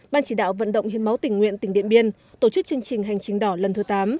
ban chỉ đạo vận động hiến máu tỉnh nguyện tỉnh điện biên tổ chức chương trình hành trình đỏ lần thứ tám